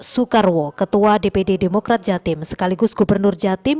soekarwo ketua dpd demokrat jatim sekaligus gubernur jatim